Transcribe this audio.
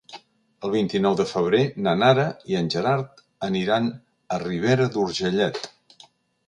El vint-i-nou de febrer na Nara i en Gerard aniran a Ribera d'Urgellet.